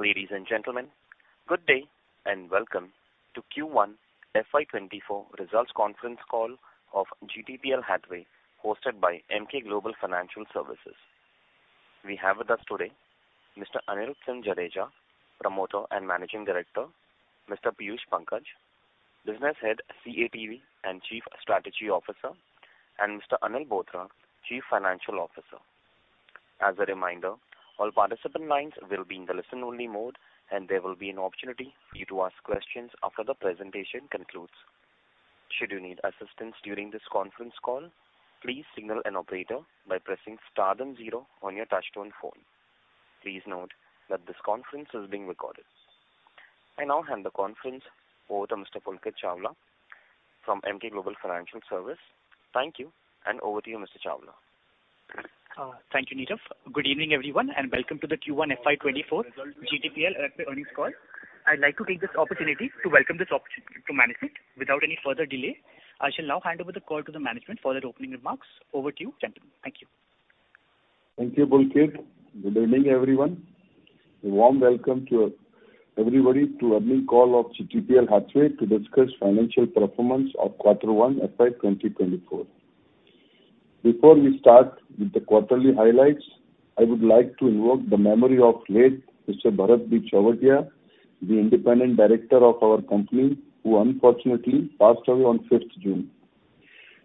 Ladies and gentlemen, good day, welcome to Q1 FY 2024 results conference call of GTPL Hathway, hosted by Emkay Global Financial Services. We have with us today Mr. Anirudhsinh Jadeja, Promoter and Managing Director, Mr. Piyush Pankaj, Business Head, CATV and Chief Strategy Officer, Mr. Anil Bothra, Chief Financial Officer. As a reminder, all participant lines will be in the listen-only mode, there will be an opportunity for you to ask questions after the presentation concludes. Should you need assistance during this conference call, please signal an operator by pressing star then zero on your touchtone phone. Please note that this conference is being recorded. I now hand the conference over to Mr. Pulkit Chawla from Emkay Global Financial Services. Thank you, over to you, Mr. Chawla. Thank you, Nitav. Good evening, everyone, and welcome to the Q1 FY 2024 GTPL Hathway earnings call. I'd like to take this opportunity to welcome the management. Without any further delay, I shall now hand over the call to the management for their opening remarks. Over to you, gentlemen. Thank you. Thank you, Pulkit. Good evening, everyone. A warm welcome to everybody to earnings call of GTPL Hathway to discuss financial performance of Q1 FY 2024. Before we start with the quarterly highlights, I would like to invoke the memory of late Mr. Bharat B. Chawatia, the independent director of our company, who unfortunately passed away on 5th June.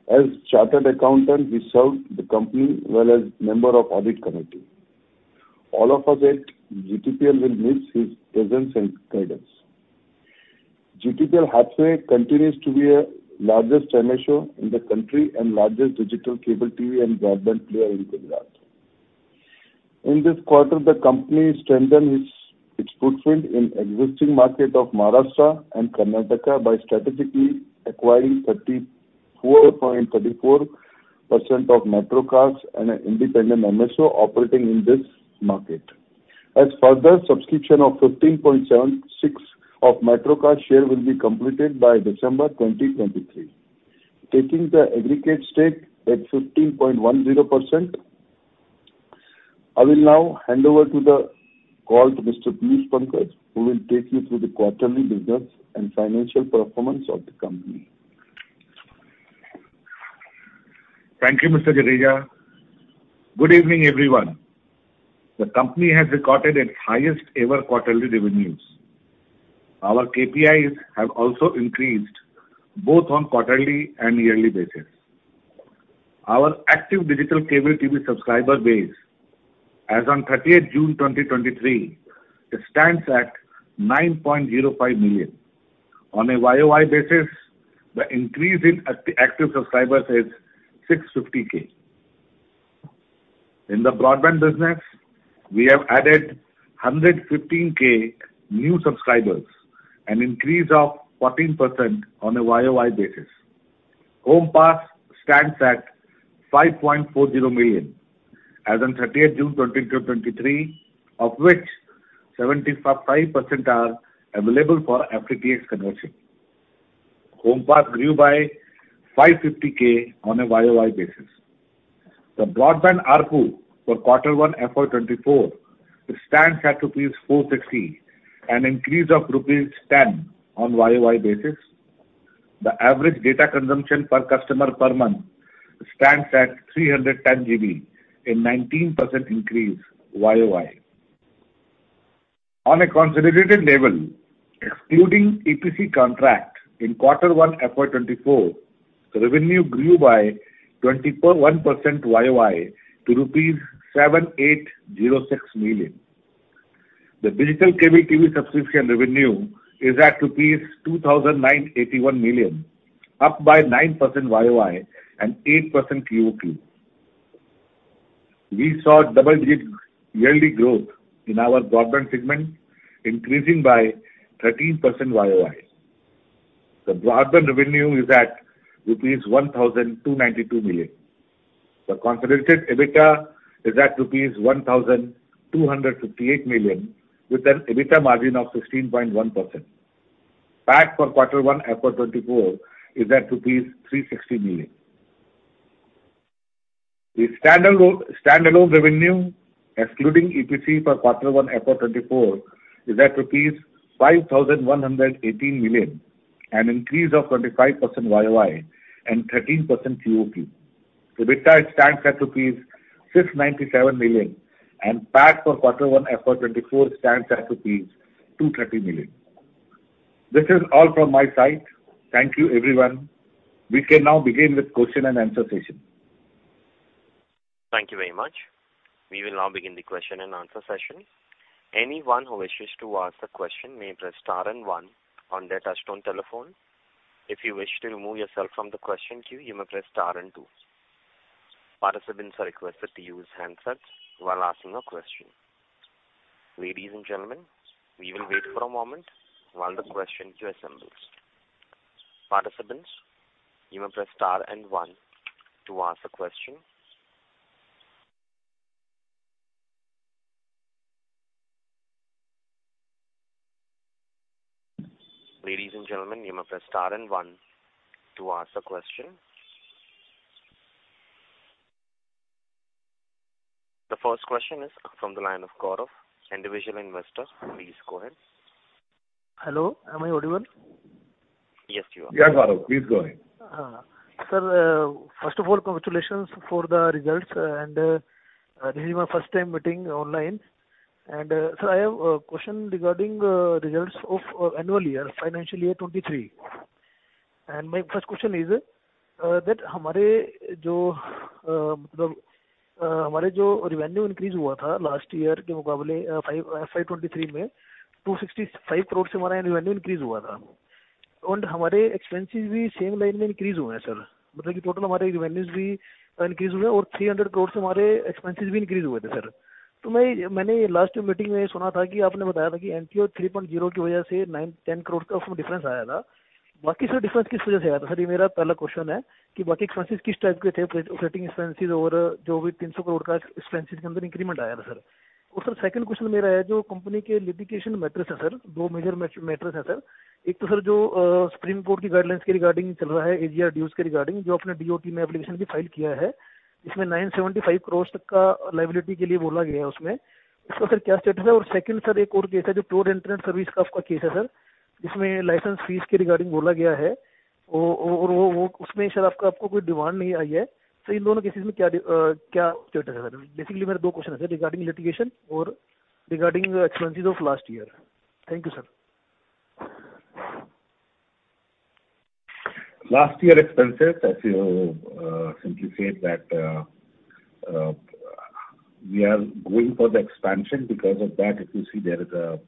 As chartered accountant, he served the company well as member of audit committee. All of us at GTPL will miss his presence and guidance. GTPL Hathway continues to be a largest MSO in the country and largest digital cable TV and broadband player in Gujarat. In this quarter, the company strengthened its footprint in existing market of Maharashtra and Karnataka by strategically acquiring 34.34% of Metro Cast and an independent MSO operating in this market. Further subscription of 15.76% of Metro Cast share will be completed by December 2023, taking the aggregate stake at 15.10%. I will now hand over to the call to Mr. Piyush Pankaj, who will take you through the quarterly business and financial performance of the company. Thank you, Mr. Jadeja. Good evening, everyone. The company has recorded its highest ever quarterly revenues. Our KPIs have also increased both on quarterly and yearly basis. Our active digital cable TV subscriber base as on 30th June 2023, it stands at 9.05 million. On a YOY basis, the increase in active subscribers is 650K. In the broadband business, we have added 115K new subscribers, an increase of 14% on a YOY basis. HomePass stands at 5.40 million as on 30th June 2023, of which 75% are available for FTTH conversion. HomePass grew by 550K on a YOY basis. The broadband ARPU for Q1 FY24, it stands at rupees 460, an increase of rupees 10 on YOY basis. The average data consumption per customer per month stands at 310 GB, a 19% increase YOY. On a consolidated level, excluding EPC contract in Q1 FY24, the revenue grew by 21% YOY to rupees 7,806 million. The digital cable TV subscription revenue is at rupees 2,981 million, up by 9% YOY and 8% QOQ. We saw double-digit yearly growth in our broadband segment, increasing by 13% YOY. The broadband revenue is at rupees 1,292 million. The consolidated EBITDA is at rupees 1,258 million, with an EBITDA margin of 16.1%. PAT for Q1 FY24 is at INR 360 million. The standalone revenue, excluding EPC, for quarter one, FY 2024, is at INR 5,118 million, an increase of 25% YOY and 13% QOQ. EBITDA, it stands at INR 697 million, and PAT for quarter one, FY 2024, stands at INR 230 million. This is all from my side. Thank you, everyone. We can now begin with question-and-answer session. Thank you very much. We will now begin the question and answer session. Anyone who wishes to ask a question may press star and one on their touchtone telephone. If you wish to remove yourself from the question queue, you may press star and two. Participants are requested to use handsets while asking a question. Ladies and gentlemen, we will wait for a moment while the question queue assembles. Participants, you may press star and one to ask a question. Ladies and gentlemen, you may press star and one to ask a question. The first question is from the line of Gaurav, individual investor. Please go ahead. Hello, am I audible? Yes, you are. Yes, Gaurav, please go ahead. Sir, first of all, congratulations for the results. This is my first time meeting online. Sir, I have a question regarding results of annual year, financial year 23. My first question is that, last year, FY 23, INR 265 crore revenue increase. Our expenses also same line increase, sir. Total revenues increase INR 300 crore, expenses increase, sir. Last meeting, NTO 3.0, INR 9 crore-INR 10 crore difference. Difference, sir, this is my first question. Expenses, types, operating expenses, over INR 300 crore expenses increment, sir. Sir, second question, company litigation matters, sir, two major matters, sir. One, sir, Supreme Court guidelines regarding AGR dues, regarding application filed, INR 975 crore liability. What is the status, sir? Second, sir, another case, broad internet service case, sir, license fees regarding. There is no demand. What is the status, sir? Basically, my two questions, sir, regarding litigation and regarding expenses of last year. Thank you, sir. Last year expenses, as you simply said that, we are going for the expansion. If you see there is an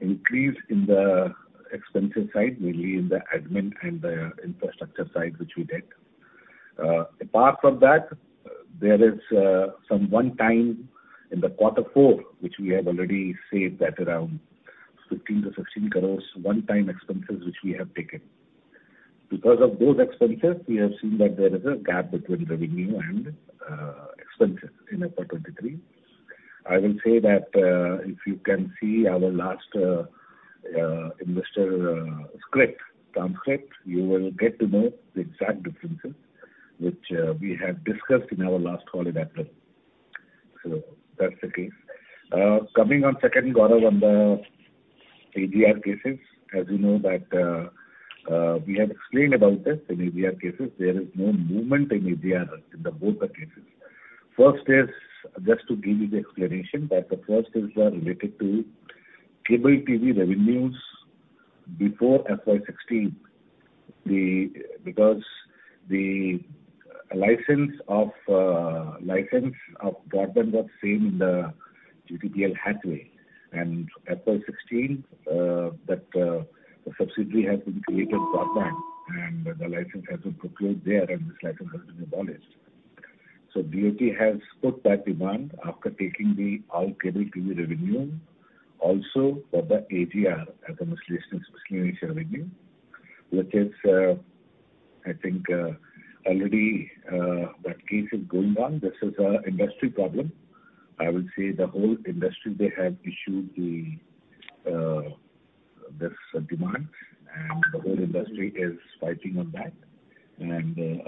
increase in the expensive side, mainly in the admin and the infrastructure side, which we did. Apart from that, there is some one-time in the quarter four, which we have already said that around 15-16 crores, one-time expenses, which we have taken. Those expenses, we have seen that there is a gap between revenue and expenses in FY 2023. I will say that, if you can see our last investor script, transcript, you will get to know the exact differences which we have discussed in our last call in April. That's the case. Coming on second, Gaurav, on the AGR cases, as you know, that we have explained about this in AGR cases, there is no movement in AGR in the both the cases. First is, just to give you the explanation, that the first is related to cable TV revenues before FY16. Because the license of broadband was same in the GTPL Hathway, and FY16, that the subsidiary has been created, broadband, and the license has been procured there, and this license has been abolished. DOT has put that demand after taking the all cable TV revenue, also for the AGR as a miscellaneous revenue, which is, I think, already that case is going on. This is an industry problem. I will say the whole industry, they have issued the this demand. The whole industry is fighting on that.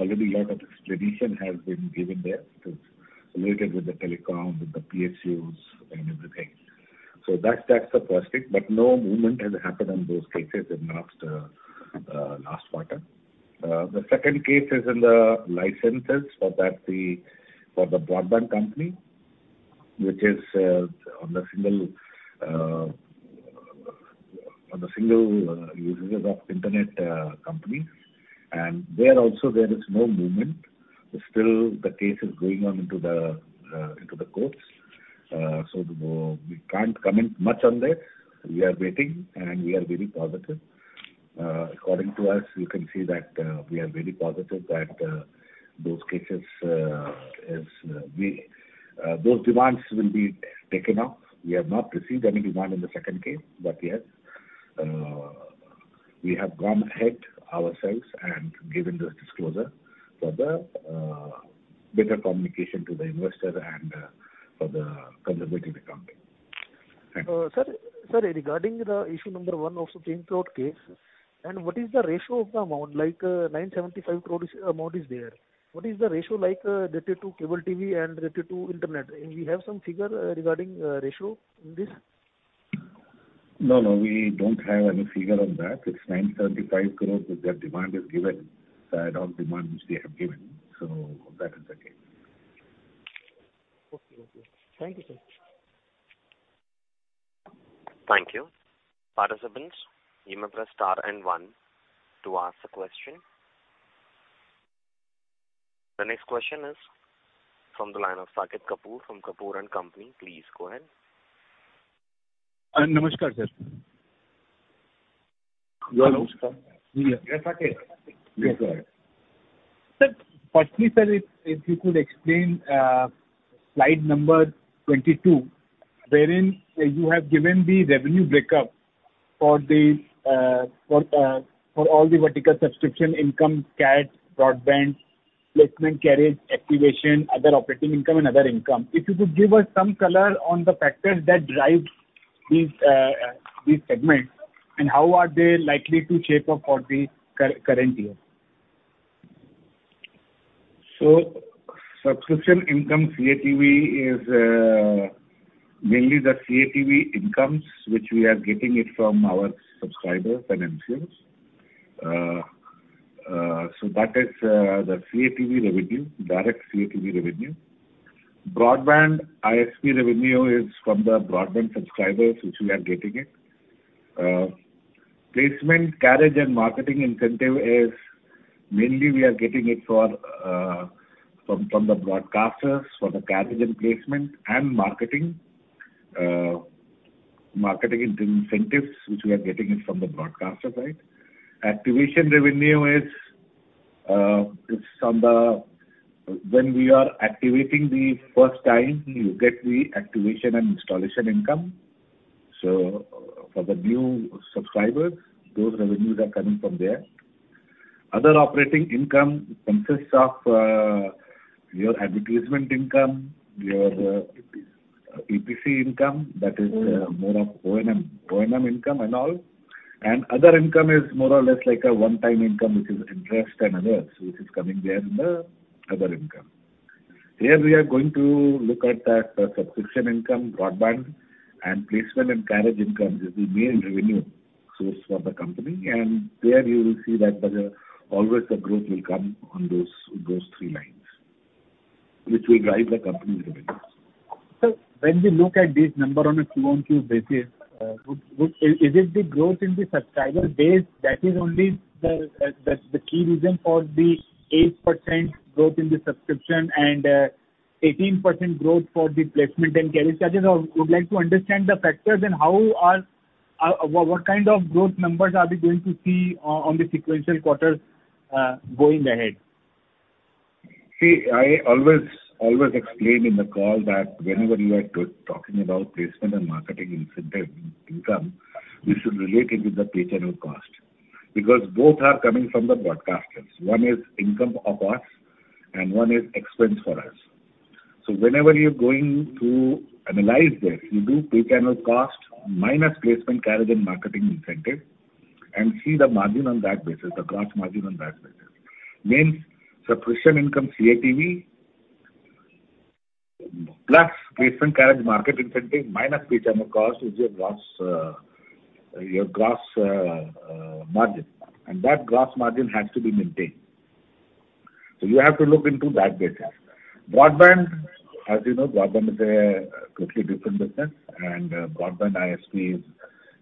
Already a lot of explanation has been given there. It is related with the telecom, with the PSUs and everything. That's the first thing, but no movement has happened on those cases in last last quarter. The second case is in the licenses for that the, for the broadband company, which is on the single users of internet company. There also there is no movement. Still, the case is going on into the courts. We can't comment much on that. We are waiting. We are very positive. According to us, you can see that we are very positive that those cases is. Those demands will be taken up. We have not received any demand in the second case, but yes, we have gone ahead ourselves and given this disclosure for the better communication to the investor and for the conservative accounting. Thank you. Sir, regarding the issue number one of INR 10 crore case. What is the ratio of the amount? Like, 975 crore is, amount is there. What is the ratio like, related to cable TV and related to internet? We have some figure regarding ratio in this? No, no, we don't have any figure on that. It's 975 crores, that demand is given, the add-on demand which they have given. That is the case. Okay. Thank you, sir. Thank you. Participants, you may press star and one to ask a question. The next question is from the line of Saket Kapoor, from Kapoor and Company. Please go ahead. Namaskar, sir. Hello, Namaskar. Yes, Saket, please go ahead. Sir, firstly, sir, if you could explain, slide number 22, wherein you have given the revenue breakup for all the vertical subscription income, CATV, broadband, placement, carriage, activation, other operating income and other income. If you could give us some color on the factors that drive these segments, and how are they likely to shape up for the current year? Subscription income, CATV is mainly the CATV incomes, which we are getting it from our subscribers and MSOs. That is the CATV revenue, direct CATV revenue. Broadband ISP revenue is from the broadband subscribers, which we are getting it. Placement, carriage, and marketing incentive is mainly we are getting it for from the broadcasters, for the carriage and placement and marketing. Marketing incentives, which we are getting it from the broadcasters, right? Activation revenue is it's from when we are activating the first time, you get the activation and installation income. For the new subscribers, those revenues are coming from there. Other operating income consists of your advertisement income, your EPC income, that is more of O&M income and all. Other income is more or less like a one-time income, which is interest and others, which is coming there in the other income. Here we are going to look at the subscription income, broadband, and placement and carriage income is the main revenue source for the company. There you will see that the always the growth will come on those three lines, which will drive the company's revenues. Sir, when we look at this number on a Q-on-Q basis, is it the growth in the subscriber base that is only the key reason for the 8% growth in the subscription and 18% growth for the placement and carriage charges? Would like to understand the factors and how are what kind of growth numbers are we going to see on the sequential quarters going ahead? See, I always explain in the call that whenever you are talking about placement and marketing incentive income, you should relate it with the pay channel cost, because both are coming from the broadcasters. One is income of us and one is expense for us. Whenever you're going to analyze this, you do pay channel cost minus placement, carriage, and marketing incentive, and see the margin on that basis, the gross margin on that basis. Means subscription income CATV, plus placement, carriage, market incentive, minus pay channel cost, is your gross, your gross margin. That gross margin has to be maintained. You have to look into that data. Broadband, as you know, broadband is a totally different business, and broadband ISP is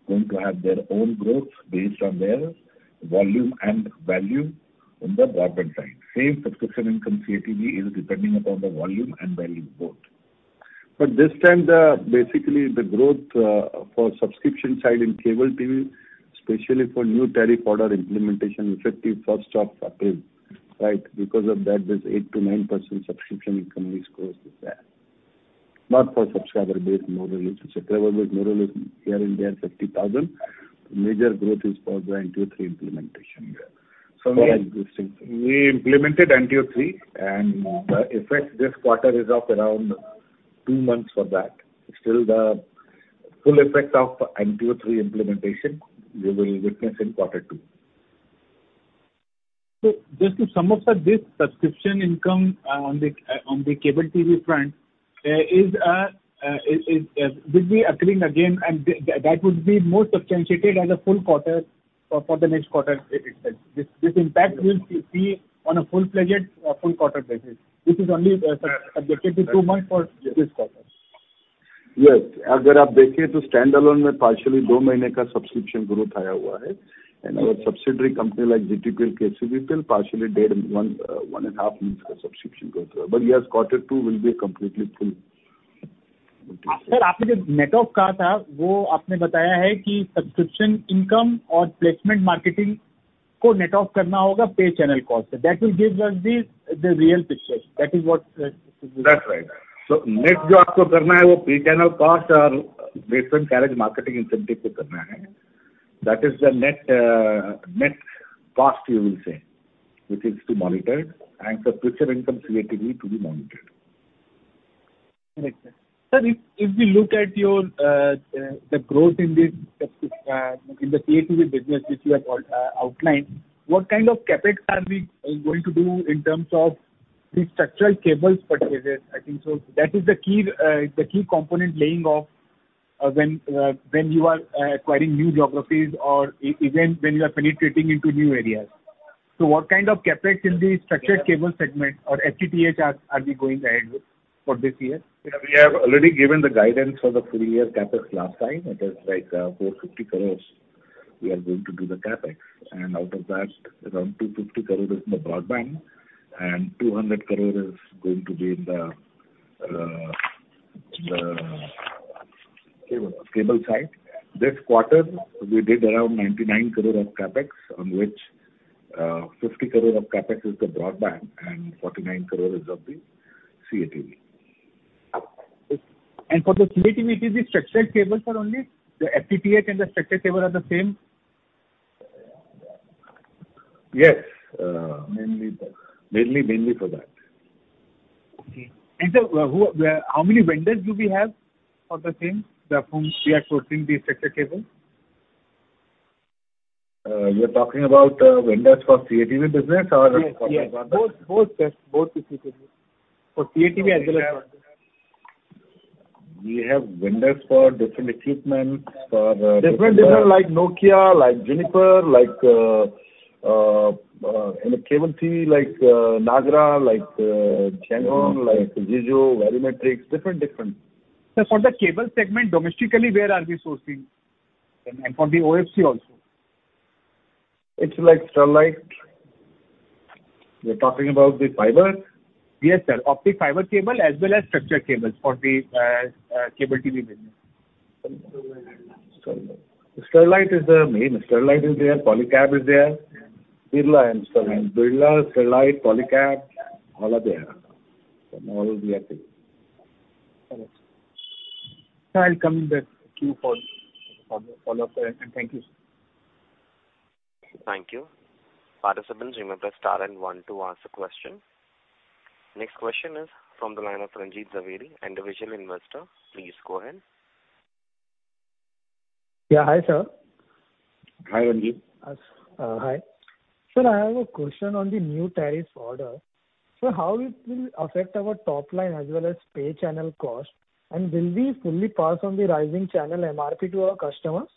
going to have their own growth based on their volume and value on the broadband side. Same subscription income, CATV, is depending upon the volume and value, both. This time, basically, the growth for subscription side in cable TV, especially for new tariff order implementation, effective 1st of April, right? Of that, there's 8%-9% subscription income which grows with that. Not for subscriber base more or less. Subscriber base more or less, here and there, 50,000. Major growth is for the NTO 3 implementation. So like- We implemented NTO 3, and, the effect this quarter is of around two months for that. Still, the full effect of NTO 3 implementation, we will witness in quarter two. Just to sum up, sir, this subscription income on the on the cable TV front is will be occurring again, and that would be more substantiated as a full quarter for the next quarter itself. This impact will be see on a full-fledged full quarter basis. This is only subjected to two months for this quarter. Yes. Agar aap dekhe toh standalone mein partially two mahine ka subscription growth aaya hua hai. Our subsidiary company like GTPL, KCBPL, partially one and a half months ka subscription growth. Yes, quarter two will be completely full. Sir, aapne jo net off kaha tha, woh aapne bataya hai ki subscription income aur placement marketing ko net off karna hoga pay channel cost se. That will give us the real picture. That is what. That's right. Net jo aapko karna hai woh pay channel cost aur placement, carriage, marketing incentive se karna hai. That is the net net cost, you will say, which is to monitor, and the future income CATV to be monitored. Sir, if we look at your the growth in the CATV business which you have outlined, what kind of CapEx are we going to do in terms of the structural cables purchases? I think so that is the key component laying off when you are acquiring new geographies or even when you are penetrating into new areas. What kind of CapEx in the structured cable segment or FTTH are we going ahead with for this year? We have already given the guidance for the full year CapEx last time. It is like 450 crores, we are going to do the CapEx. Out of that, around 250 crores is in the broadband and 200 crores is going to be in the cable side. This quarter, we did around 99 crores of CapEx, on which 50 crores of CapEx is the broadband and 49 crores is of the CATV. ... for the CATV, it is the structured cables are only, the FTTH and the structured cable are the same? Yes, mainly for that. Okay. Sir, how many vendors do we have for the same, from whom we are sourcing the structured cable? You're talking about vendors for CATV business? Yes, yes. Both, both. For CATV as well. We have vendors for different equipment, for. Different, like Nokia, like Juniper, like in the cable TV, like Nagra, like Changhong, like Zizou, Verimatrix, different. Sir, for the cable segment, domestically, where are we sourcing? For the OFC also. It's like Sterlite. You're talking about the fiber? Yes, sir. Optic fiber cable as well as structured cables for the cable TV business. Sterlite. Sterlite is the main. Sterlite is there, Polycab is there. Birla and Sterlite. Birla, Sterlite, Polycab, all are there. From all we are taking. Sir, I'll come back to you for follow-up. Thank you, sir. Thank you. Participants, remember star and 1 to ask a question. Next question is from the line of Ranjit Zaveri, individual investor. Please go ahead. Yeah, hi, sir. Hi, Ranjit. Hi. Sir, I have a question on the New Tariff Order. How it will affect our top line as well as pay channel cost? Will we fully pass on the rising channel MRP to our customers?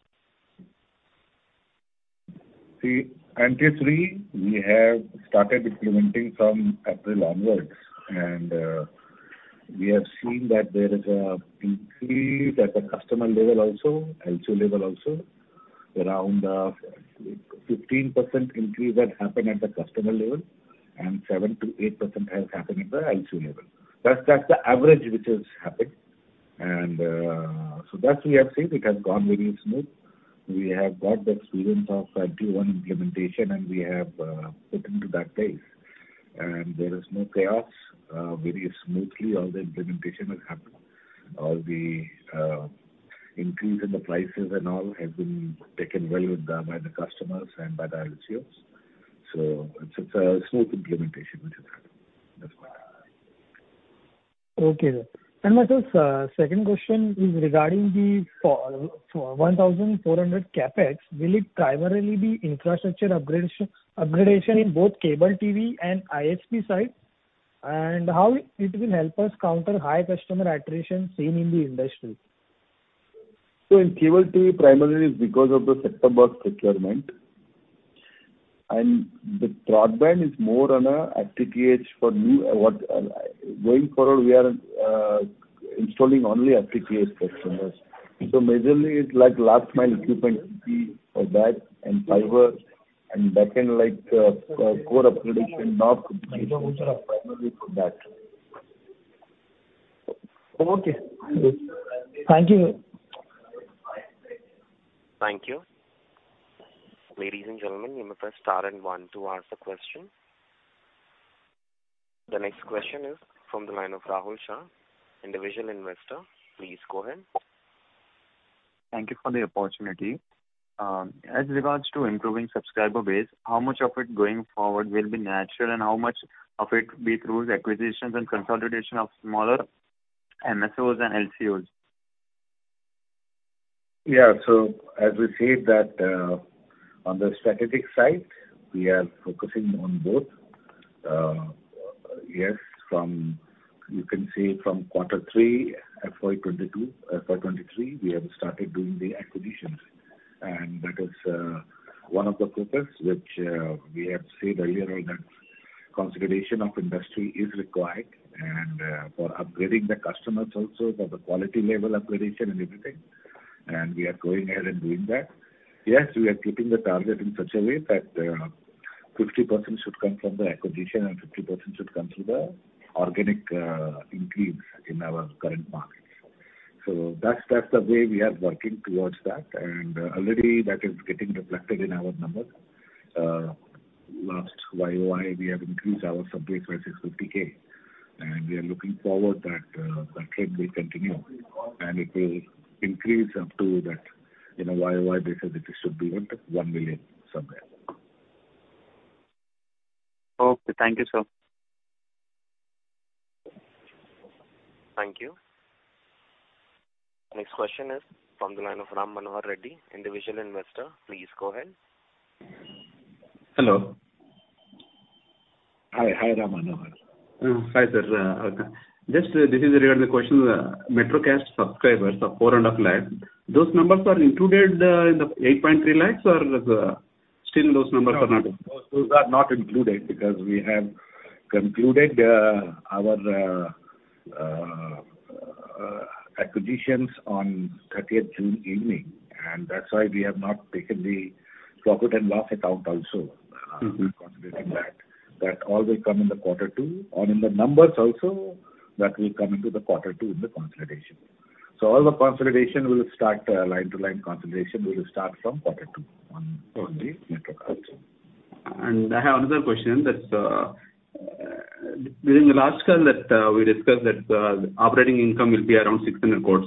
See, NTO 3, we have started implementing from April onwards, and we have seen that there is a increase at the customer level also, LCO level also, around 15% increase that happened at the customer level, and 7%-8% has happened at the LCO level. That's the average which has happened. That we have seen. It has gone very smooth. We have got the experience of T1 implementation, and we have put into that place. There is no chaos, very smoothly, all the implementation has happened. All the increase in the prices and all have been taken well with the, by the customers and by the LCOs. It's a smooth implementation which has happened. That's why. Okay, sir. My second question is regarding the for 1,400 CapEx, will it primarily be infrastructure upgradation in both cable TV and ISP side? How it will help us counter high customer attrition seen in the industry? In cable TV, primarily, it's because of the set-top box procurement. The broadband is more on a FTTH for new. Going forward, we are installing only FTTH customers. Majorly, it's like last mile equipment, CPE, all that, and fiber, and backend, like core upgradation, not primarily for that. Okay. Thank you. Thank you. Ladies and gentlemen, remember star and one to ask a question. The next question is from the line of Rahul Shah, individual investor. Please go ahead. Thank you for the opportunity. As regards to improving subscriber base, how much of it going forward will be natural, and how much of it will be through acquisitions and consolidation of smaller MSOs and LCOs? Yeah. As we said that, on the strategic side, we are focusing on both. Yes, from, you can say from quarter three, FY 2022, FY 2023, we have started doing the acquisitions. That is one of the purpose which we have said earlier on, that consolidation of industry is required, and for upgrading the customers also, for the quality level upgradation and everything, and we are going ahead and doing that. Yes, we are keeping the target in such a way that 50% should come from the acquisition, and 50% should come through the organic increase in our current market. That's, that's the way we are working towards that, and already that is getting reflected in our numbers. Last YOY, we have increased our subscribers by 650K, and we are looking forward that that trend will continue, and it will increase up to that, in a YOY basis, it should be around 1 million somewhere. Okay. Thank you, sir. Thank you. Next question is from the line of Ram Manohar Reddy, individual investor. Please go ahead. Hello. Hi. Hi, Ram Manohar. Hi, sir. Just this is regarding the question, Metro Cast subscribers of four and a half lakhs, those numbers are included in the 8.3 lakhs, or, still those numbers are not? Those are not included, because we have concluded our acquisitions on 30th June evening, and that's why we have not taken the profit and loss account also. Considering that. That all will come in the quarter two, or in the numbers also, that will come into the quarter two in the consolidation. All the consolidation will start, line to line consolidation will start from quarter two on the Metro Cast. I have another question, that's, during the last call that, we discussed that, operating income will be around 600 crores.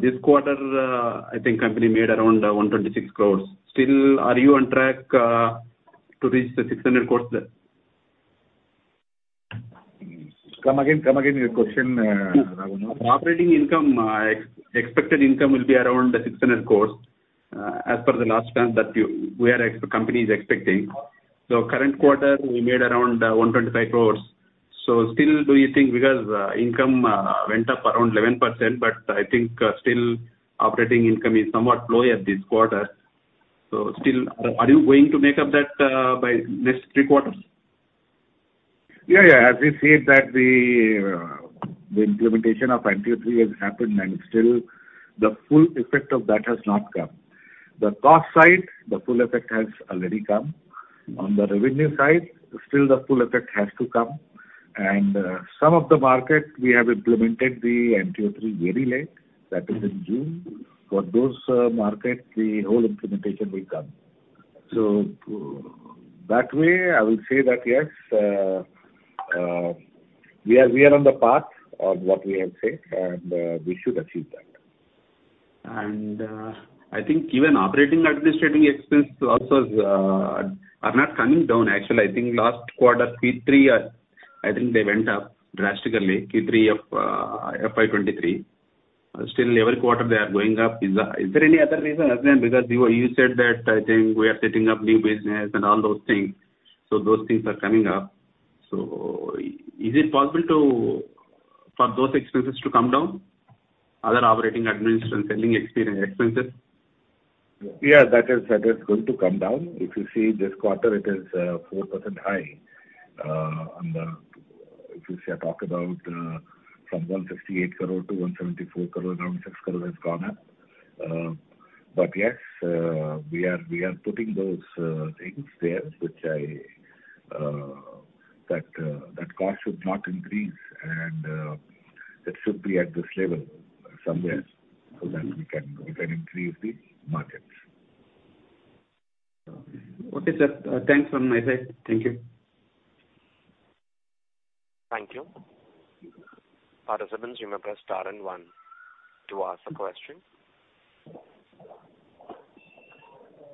This quarter, I think company made around 126 crores. Still, are you on track to reach the 600 crores there? Come again with your question, Ram Manohar? Operating income, expected income will be around 600 crores, as per the last time that the company is expecting. Current quarter, we made around 125 crores. Still, do you think because income went up around 11%? But I think, still, operating income is somewhat low at this quarter. Still, are you going to make up that by next three quarters? Yeah. As we said, that the implementation of NTO 3 has happened, and still the full effect of that has not come. The cost side, the full effect has already come. On the revenue side, still the full effect has to come, and some of the markets we have implemented the NTO 3 very late. That is in June. For those market, the whole implementation will come. That way, I will say that, yes, we are on the path of what we have said, and we should achieve that. I think even operating administrative expense also are not coming down. Actually, I think last quarter, Q3, I think they went up drastically, Q3 of FY23. Still every quarter they are going up. Is there any other reason as then because you said that, I think we are setting up new business and all those things, so those things are coming up. Is it possible for those expenses to come down? Other operating, admin, and selling expenses. Yeah, that is going to come down. If you see this quarter, it is 4% high on the... If you say, I talk about, from 168 crore-174 crore, around 6 crore has gone up. Yes, we are putting those things there, which I, that cost should not increase, and that should be at this level somewhere, so that we can increase the markets. Okay, sir. Thanks from my side. Thank you. Thank you. Participants, you may press star and one to ask a question.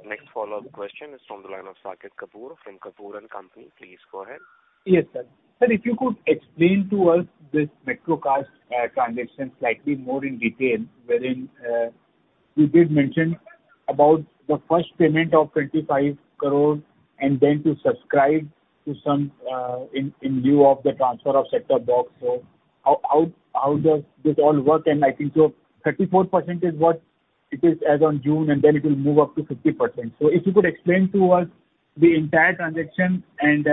Next follow-up question is from the line of Saket Kapoor, from Kapoor and Company. Please go ahead. Yes, sir. Sir, if you could explain to us this Metro Cast transaction slightly more in detail, wherein you did mention about the first payment of 25 crore, and then to subscribe to some in lieu of the transfer of set-top box. How does this all work? I think so 34% is what it is as on June, and then it will move up to 50%. If you could explain to us the entire transaction and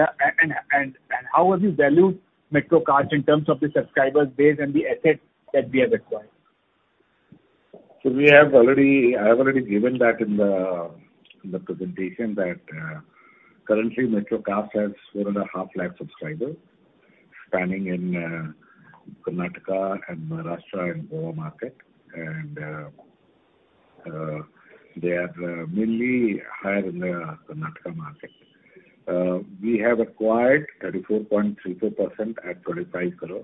how have you valued Metro Cast in terms of the subscribers base and the assets that we have acquired? We have already given that in the presentation, that currently, Metro Cast has four and a half lakh subscribers spanning in Karnataka and Maharashtra and Goa market. They are mainly higher in the Karnataka market. We have acquired 34.32% at 25 crore.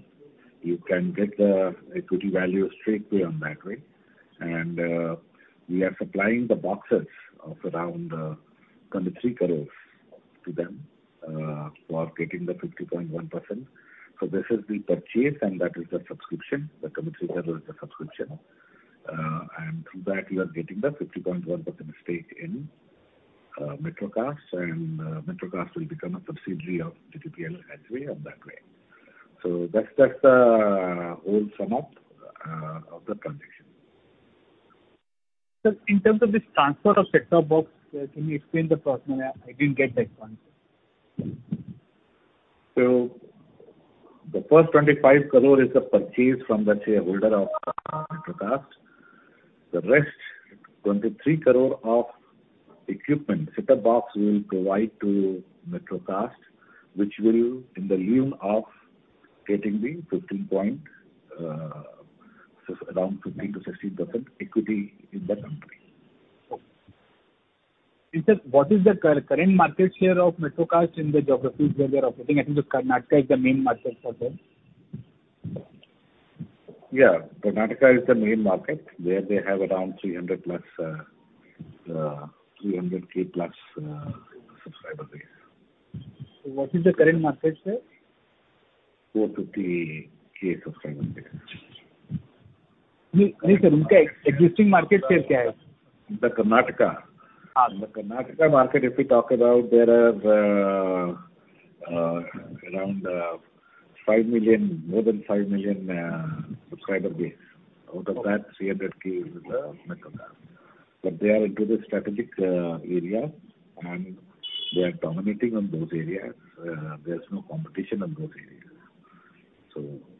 You can get the equity value straightaway on that way. We are supplying the boxes of around 23 crore to them for getting the 50.1%. This is the purchase, and that is the subscription. The INR 23 crore is the subscription. Through that, we are getting the 50.1% stake in Metro Cast, and Metro Cast will become a subsidiary of GTPL anyway on that way. That's the whole sum up of the transaction. Sir, in terms of this transfer of set-top box, can you explain the process? I didn't get that one. The first 25 crore is the purchase from the shareholder of Metro Cast. The rest, 23 crore of equipment, set-top box, we will provide to Metro Cast, which will in the lieu of getting around 50%-60% equity in the company. Okay. Sir, what is the current market share of Metro Cast in the geographies where they are operating? I think the Karnataka is the main market for them. Yeah, Karnataka is the main market. There they have around 300+, 300K+ subscriber base. What is the current market share? 450K subscribers there. No, sir, existing market share kya hai? The Karnataka. Haan. The Karnataka market, if we talk about, there is five million, more than five million, subscriber base. Out of that, 300K is Metro Cast. They are into the strategic area, and they are dominating on those areas. There's no competition on those areas.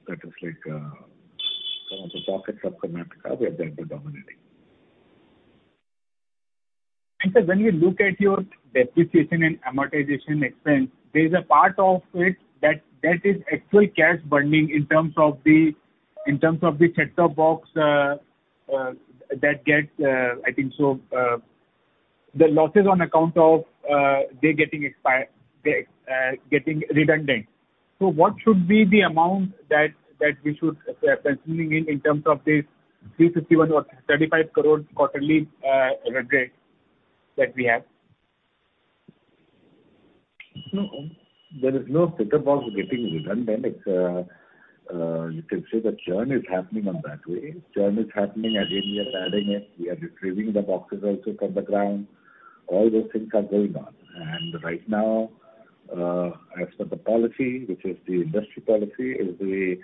That is like some of the pockets of Karnataka, we are there dominating. Sir, when you look at your depreciation and amortization expense, there's a part of it that is actual cash burning in terms of the set-top box that gets, I think so, the losses on account of they getting expired, they getting redundant. What should be the amount that we should considering in terms of this 351 or 35 crore quarterly that we have? No, there is no set-top box getting redundant. It's, you can say the churn is happening on that way. Churn is happening, again, we are adding it. We are retrieving the boxes also from the ground. All those things are going on. Right now, as per the policy, which is the industry policy, is the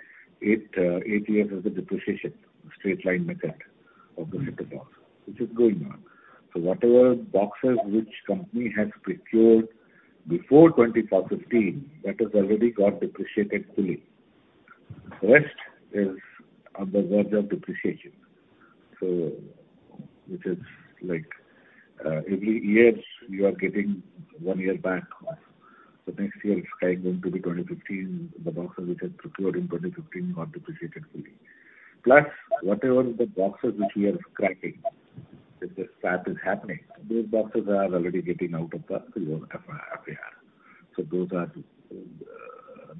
eight years is the depreciation, straight line method of the set-top box, which is going on. Whatever boxes which company has procured before 2015, that has already got depreciated fully. The rest is on the verge of depreciation. Which is like, every years you are getting one year back. Next year, it's going to be 2015, the boxes which are procured in 2015 got depreciated fully. Whatever the boxes which we are scrapping, because that is happening, those boxes are already getting out of here. Those are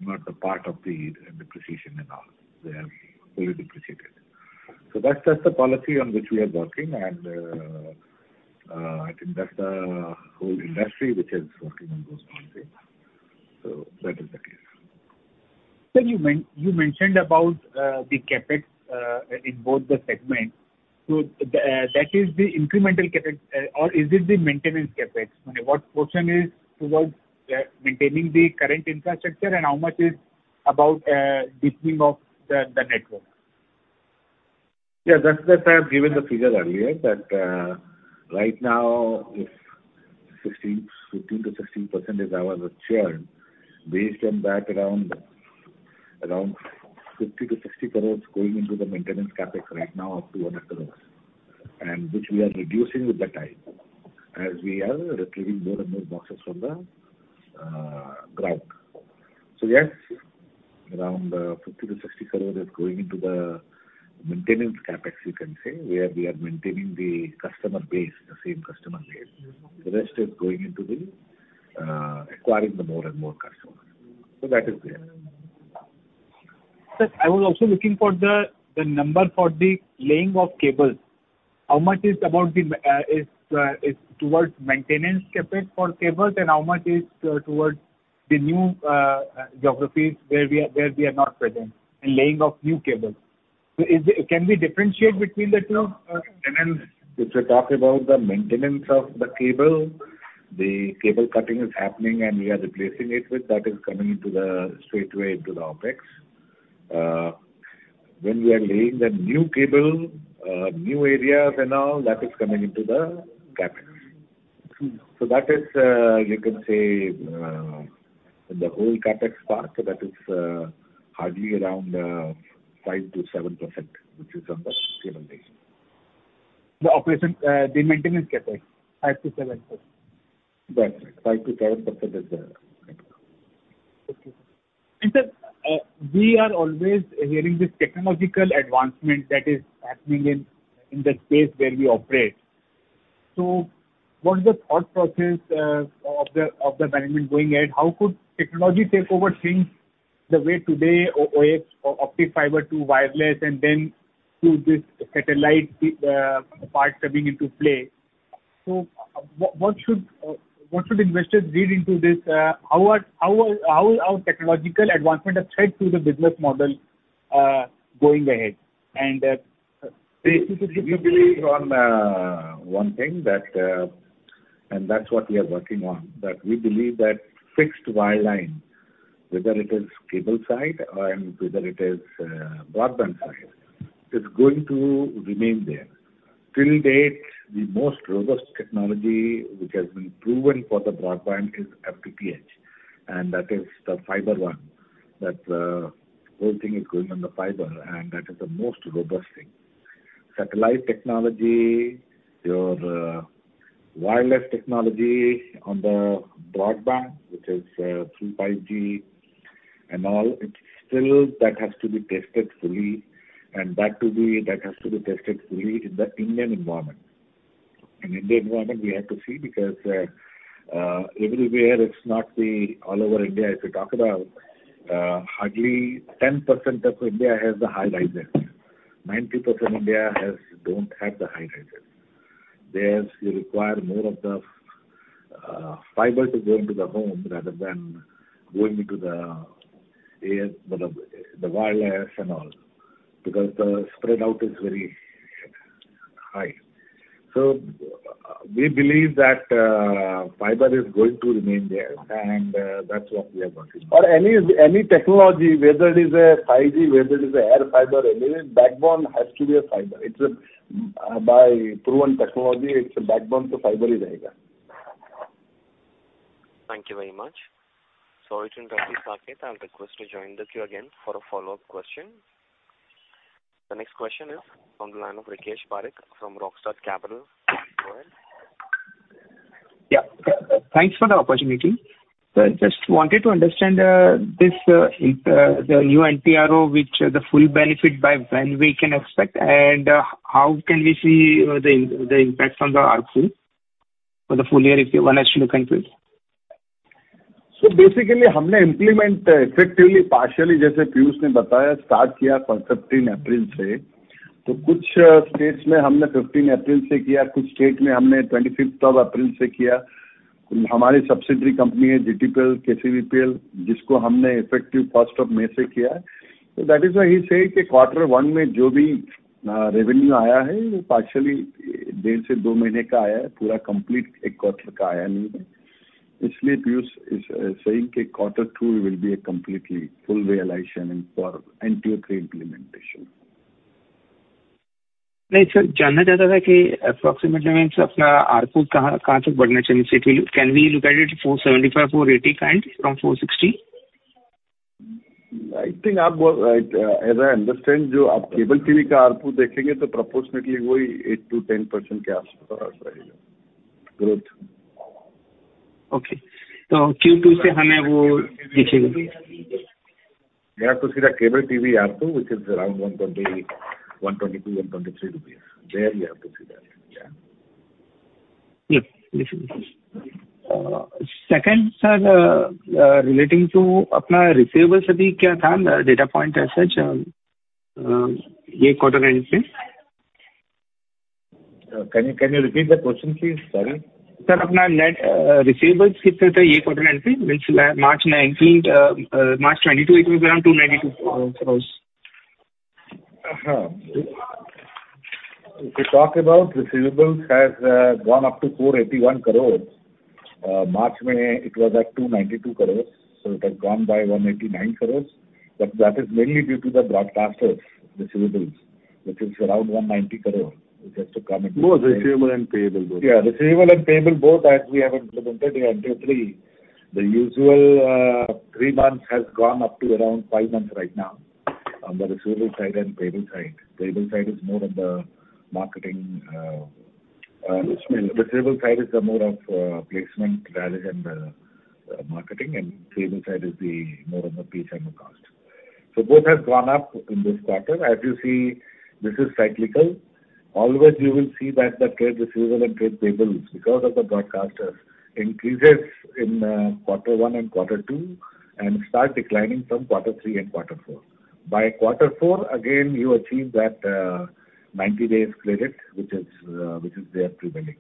not the part of the depreciation and all. They are fully depreciated. That's the policy on which we are working, and I think that's the whole industry which is working on those policies. That is the case. Sir, you mentioned about the CapEx in both the segments. The that is the incremental CapEx or is it the maintenance CapEx? What portion is towards maintaining the current infrastructure, and how much is about deepening of the network? Yeah, that's, that I have given the figure earlier, that, right now, if 15%-16% is our churn, based on that, around 50 crore-60 crores going into the maintenance CapEx right now of 200 crores, and which we are reducing with the time as we are retrieving more and more boxes from the ground. Yes, around 50 crore-60 crores is going into the maintenance CapEx, you can say, where we are maintaining the customer base, the same customer base. The rest is going into the acquiring the more and more customers. That is there. Sir, I was also looking for the number for the laying of cables. How much is about the is towards maintenance CapEx for cables, and how much is towards the new geographies where we are not present, in laying of new cables? Can we differentiate between the two? If you talk about the maintenance of the cable, the cable cutting is happening and we are replacing it with that is coming into the straightway into the OpEx. When we are laying the new cable, new areas and all, that is coming into the CapEx. Mm. That is, you can say, the whole CapEx part, that is, hardly around 5%-7%, which is on the cable laying. The operation, the maintenance CapEx, 5%-7%? That's right. 5%-7% is the CapEx. Okay. Sir, we are always hearing this technological advancement that is happening in the space where we operate. What is the thought process of the management going ahead? How could technology take over things the way today, optic fiber to wireless, and then to this satellite part coming into play? What should investors read into this, how technological advancement have changed to the business model, going ahead? Basically...We believe on one thing that, and that's what we are working on, that we believe that fixed wireline, whether it is cable side or whether it is broadband side, is going to remain there. Till date, the most robust technology which has been proven for the broadband is FTTH, and that is the fiber one, that whole thing is going on the fiber, and that is the most robust thing. satellite technology, your wireless technology on the broadband, which is through 5G and all. That has to be tested fully, and that has to be tested fully in the Indian environment. In Indian environment, we have to see, because everywhere, it's not the all over India. If you talk about hardly 10% of India has the high rises. 90% India has, don't have the high rises. There you require more of the fiber to go into the home rather than going into the wireless and all, because the spread out is very high. We believe that fiber is going to remain there, and that's what we are working. Any technology, whether it is a 5G, whether it is an air fiber, anything, backbone has to be a fiber. It's a by proven technology, it's a backbone to fiber. Thank you very much. Sorry to interrupt you, Saket. I'll request you to join the queue again for a follow-up question. The next question is on the line of Rikesh Parikh from Rockstud Capital. Go ahead. Yeah. Thanks for the opportunity. I just wanted to understand, this the new NTO, which the full benefit by when we can expect. How can we see the impact on the ARPU for the full year, if you want us to complete? Implement effectively, partially, just like Piyush said, we started on 15th April. In some states, we did it from 15th April, in some states, we did it from 25th of April. Our subsidiary company, DTPL, KCVPL, which we did effective 1st of May. That is why he said that in Q1, whatever revenue came in, it came in partially for 1.5-2 months, not the full complete quarter. That is why Piyush said that Q2 will be a completely full realization for NTO 3 implementation. Sir, I wanted to know approximately, where our ARPU should increase up to. Can we look at it INR 475, INR 480 kind from INR 460? I think, as I understand, if you look at the cable TV ARPU, then proportionately it will be around 8%-10% growth. Okay. Q2, we will get that. Yeah, you see the cable TV ARPU, which is around INR 120, INR 122, INR 123. There you have to see that. Yeah. Yeah. Second, sir, relating to our receivables, what was the data point as such, year quarter end please? Can you repeat the question, please, sorry? Sir, our net receivables, how much was it this quarter ending, which March 2019, March 2022, it was around INR 292 crores. We talk about receivables has gone up to 481 crores. In March, it was at 292 crores, so it has gone by 189 crores. That is mainly due to the broadcasters' receivables, which is around 190 crore, which has to come in. Both receivable and payable. Yeah, receivable and payable both, as we have implemented the NTO 3. The usual three months has gone up to around five months right now, on the receivable side and payable side. Payable side is more of the marketing, receivable side is more of placement value and the marketing, and payable side is the more of the pay channel cost. Both have gone up in this quarter. As you see, this is cyclical. Always you will see that the trade receivable and trade payables, because of the broadcasters, increases in quarter one and quarter two, and start declining from quarter three and quarter four. By quarter four, again, you achieve that 90 days credit which is their prevailing.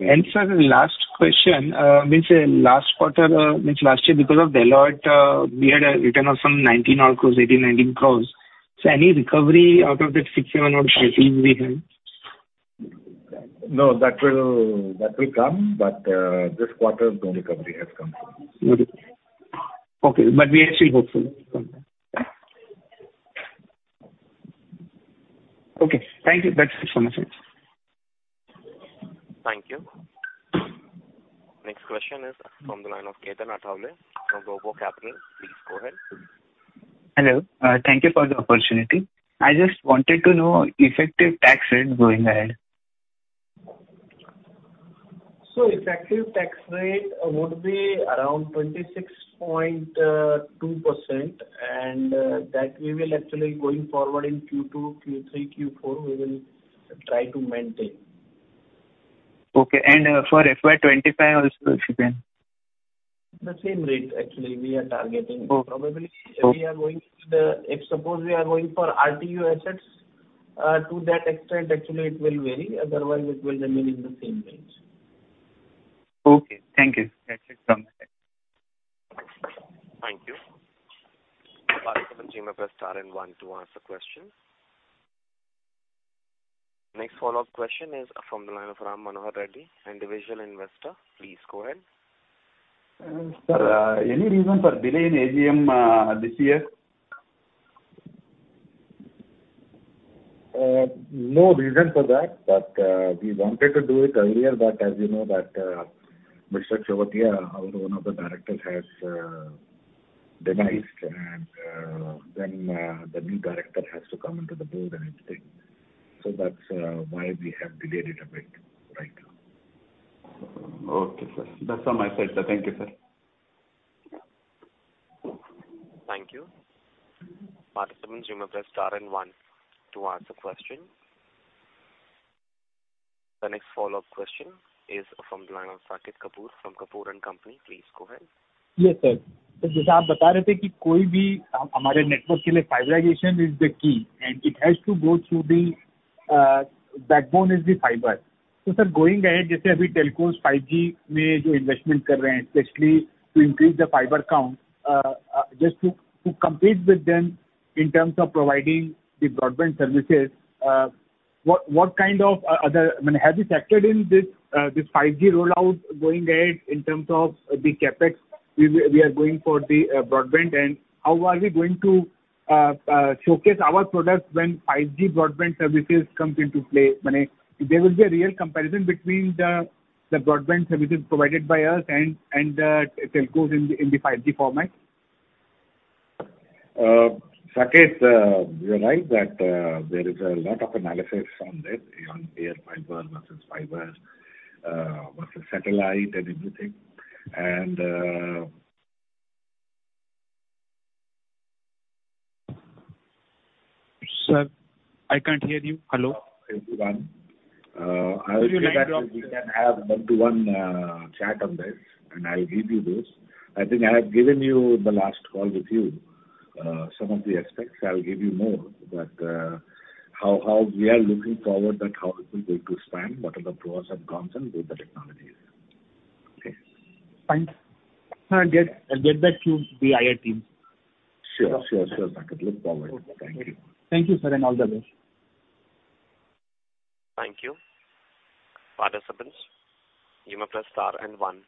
Sir, the last question, which last quarter, which last year, because of Deloitte, we had a return of some 19 crores, 18, 19 crores. Any recovery out of that 16 or 18 we have? No, that will come, but, this quarter, no recovery has come from. Okay. We are still hopeful. Okay, thank you. That's it from my side. Thank you. Next question is from the line of Ketan Athavale from Global Capital. Please go ahead. Hello. Thank you for the opportunity. I just wanted to know effective tax rate going ahead. Effective tax rate would be around 26.2%, and that we will actually going forward in Q2, Q3, Q4, we will try to maintain. Okay. For FY 25 also, if you can. The same rate, actually, we are targeting. Okay. If suppose we are going for RTU assets, to that extent, actually, it will vary. Otherwise, it will remain in the same range. Okay, thank you. That's it from my side. Thank you. Participants, you may press star and one to ask a question. Next follow-up question is from the line of Ram Manohar Reddy, Individual Investor. Please go ahead. Sir, any reason for delay in AGM this year? No reason for that, but we wanted to do it earlier, but as you know that Mr. Chawatia, our one of the directors, has deceased, and then the new director has to come into the board and everything. That's why we have delayed it a bit right now. Okay, sir. That's all my side, sir. Thank you, sir. Thank you. Participants, you may press star and one to ask a question. The next follow-up question is from the line of Saket Kapoor, from Kapoor and Company. Please go ahead. Yes, sir. Sir, as you were saying, for our network, fiberization is the key, and it has to go through the backbone is the fiber. Sir, going ahead, like the telcos are investing in 5G, especially to increase the fiber count just to compete with them in terms of providing the broadband services. Have you factored in this 5G rollout going ahead in terms of the CapEx we are going for the broadband, and how are we going to showcase our products when 5G broadband services comes into play? I mean, there will be a real comparison between the broadband services provided by us and telcos in the 5G format. Saket, you're right, that there is a lot of analysis on this, on air fiber versus fiber versus satellite and everything. Sir, I can't hear you. Hello? Everyone, I will be glad that we can have one-to-one chat on this, and I'll give you this. I think I have given you the last call with you, some of the aspects. I'll give you more, but, how we are looking forward and how it is going to expand, what are the pros and cons and with the technologies. Okay? Fine. I'll get back to the II team. Sure, sure, Saket. Look forward. Thank you. Thank you, sir, and all the best. Thank you. Participants, you may press star and one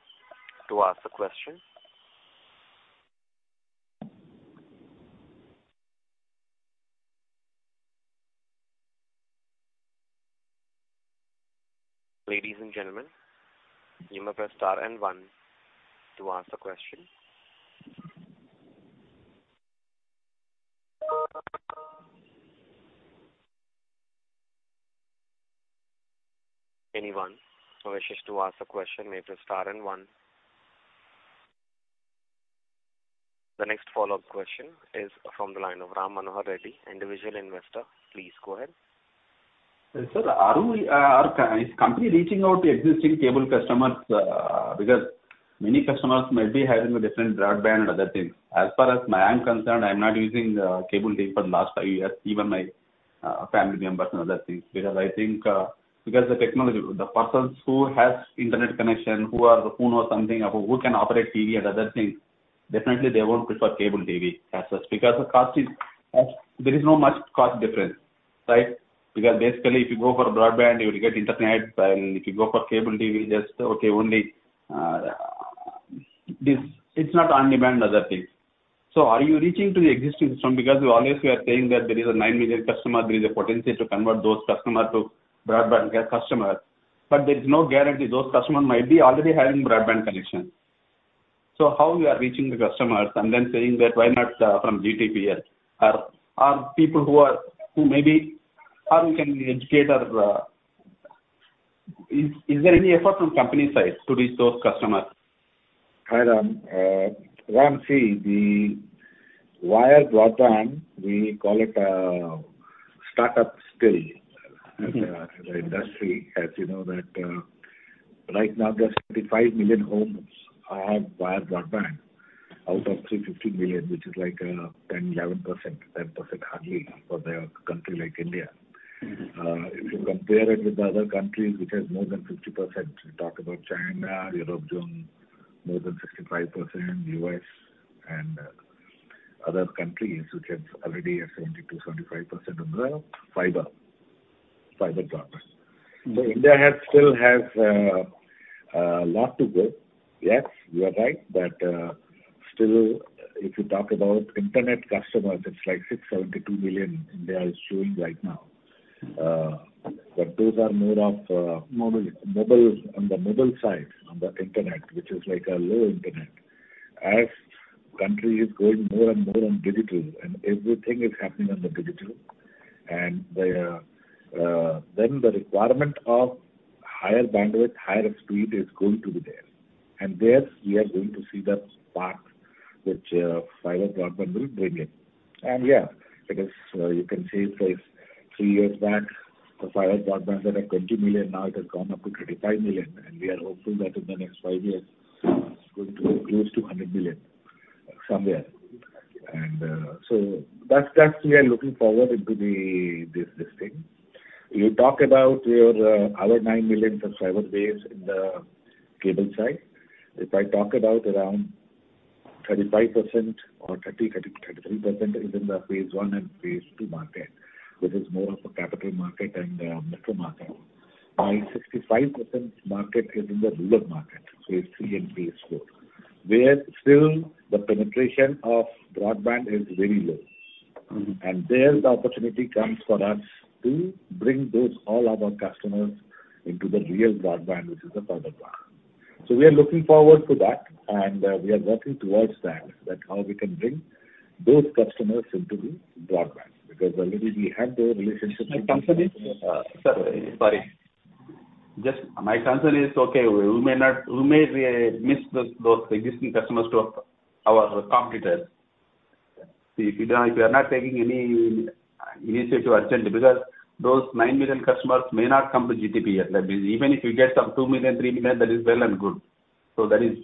to ask the question. Ladies and gentlemen, you may press star and one to ask the question. Anyone who wishes to ask a question may press star and one. The next follow-up question is from the line of Ram Manohar Reddy, individual investor. Please go ahead. Sir, is company reaching out to existing cable customers? Many customers may be having a different broadband and other things. As far as I am concerned, I'm not using cable TV for the last five years, even my family members and other things. I think because the technology, the persons who has internet connection, who are, who know something about who can operate TV and other things, definitely they won't prefer cable TV as such, because the cost is, there is no much cost difference, right? Basically, if you go for broadband, you will get internet, and if you go for cable TV, just, okay, only, this, it's not on-demand other things. Are you reaching to the existing system? You always were saying that there is a nine million customer, there is a potential to convert those customer to broadband care customer. There is no guarantee those customers might be already having broadband connection. How you are reaching the customers and then saying that why not from GTPL? Are people who are, who may be, how we can educate our... Is there any effort from company side to reach those customers? Hi, Ram. Ram, see, the wire broadband, we call it startup still in the industry, as you know that, right now, there's 35 million homes are on wire broadband out of 350 million, which is like 10%, 11%, 10% hardly for the country like India. If you compare it with the other countries, which has more than 50%, you talk about China, Europe zone, more than 65%, U.S. and other countries which have already at 70%-75% on the fiber broadband. India has still has a lot to go. Yes, you are right, but still, if you talk about internet customers, it's like 672 million India is showing right now. Those are more of mobile on the mobile side, on the internet, which is like a low internet. As country is going more and more on digital, and everything is happening on the digital, and the then the requirement of higher bandwidth, higher speed is going to be there. There, we are going to see the spark which fiber broadband will bring in. Yeah, because, you can say for 3 years back, the fiber broadband was at 20 million, now it has gone up to 35 million, and we are hoping that in the next 5 years, it's going to be close to 100 million, somewhere. That's we are looking forward into the this thing. You talk about your our 9 million subscriber base in the cable side. If I talk about around 35% or 33% is in the phase one and phase two market, which is more of a capital market and a metro market. 65% market is in the rural market, phase three and phase four, where still the penetration of broadband is very low. There, the opportunity comes for us to bring those all our customers into the real broadband, which is the fiber broadband. We are looking forward to that. We are working towards that how we can bring those customers into the broadband, because already we have the relationship. My concern is, sir, sorry. Just my concern is, okay, we may miss those existing customers to our competitors. If you don't, if you are not taking any initiative urgently, because those 9 million customers may not come to GTPL. Like, even if you get some 2 million, 3 million, that is well and good. That is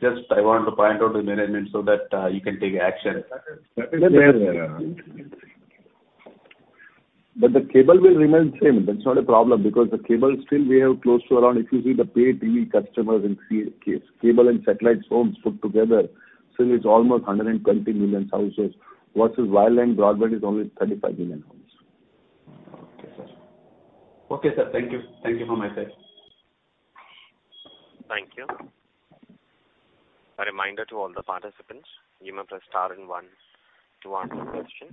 just I want to point out to the management so that you can take action. That is, yeah. The cable will remain the same. That's not a problem, because the cable still we have close to around, if you see the paid TV customers in cable and satellite homes put together, still it's almost 120 million houses, versus wireline broadband is only 35 million homes. Okay, sir. Okay, sir. Thank you. Thank you for my side. Thank you. A reminder to all the participants, you may press star one to ask a question.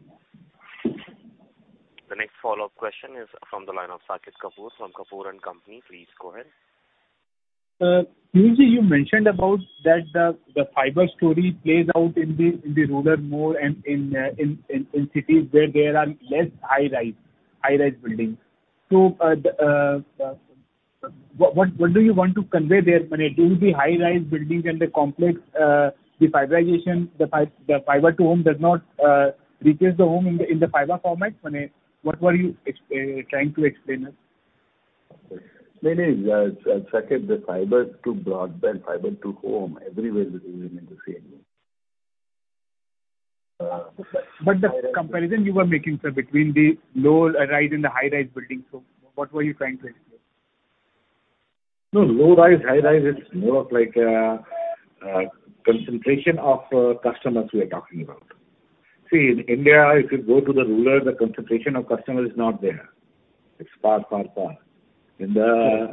Follow-up question is from the line of Saket Kapoor, from Kapoor and Company. Please go ahead. Neeraj, you mentioned about that the fiber story plays out in the rural more and in cities where there are less high-rise buildings. What do you want to convey there? I mean, it will be high-rise buildings and the complex, the fiberization, the fiber to home does not reaches the home in the fiber format. I mean, what were you trying to explain us? Maybe, Saket, the fiber to broadband, fiber to home, everywhere we are in the same, The comparison you were making, sir, between the low-rise and the high-rise buildings, what were you trying to explain? No, low-rise, high-rise, it's more of like a concentration of customers we are talking about. See, in India, if you go to the rural, the concentration of customer is not there. It's far, far, far. Sure.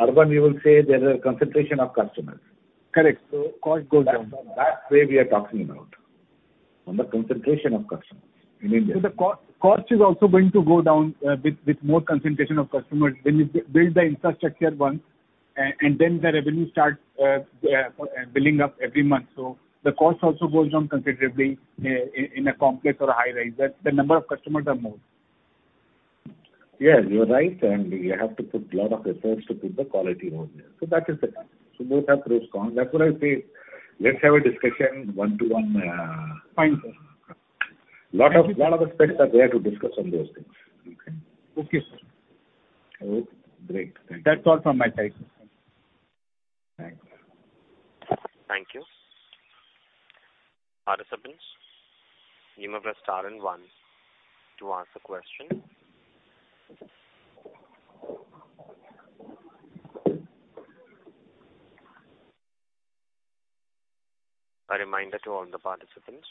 Urban, you will say there is a concentration of customers. Correct. cost goes down. That way we are talking about, on the concentration of customers in India. The cost is also going to go down, with more concentration of customers. When you build the infrastructure once, and then the revenue starts building up every month. The cost also goes down considerably, in a complex or a high-rise, that the number of customers are more. Yes, you are right, and you have to put lot of efforts to put the quality more there. That is the time. Both have pros, cons. That's what I say, let's have a discussion one to one. Fine, sir. Lot of aspects are there to discuss on those things. Okay? Okay, sir. All right. Great. Thank you. That's all from my side. Thanks. Thank you. Other participants, you may press star and one to ask the question. A reminder to all the participants,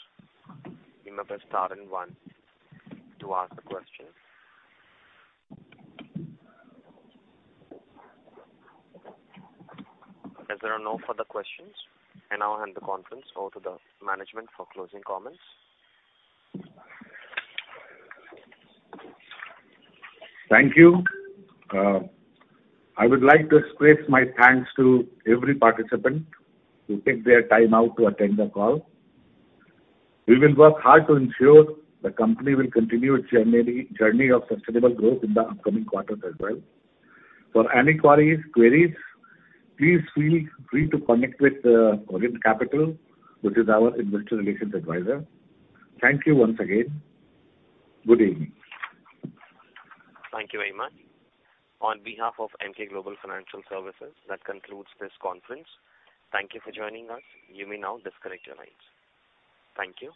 you may press star and one to ask the question. There are no further questions, I now hand the conference over to the management for closing comments. Thank you. I would like to express my thanks to every participant who take their time out to attend the call. We will work hard to ensure the company will continue its journey of sustainable growth in the upcoming quarters as well. For any queries, please feel free to connect with Orient Capital, which is our investor relations advisor. Thank you once again. Good evening. Thank you very much. On behalf of Emkay Global Financial Services, that concludes this conference. Thank you for joining us. You may now disconnect your lines. Thank you.